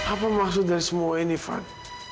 apa maksud dari semua ini van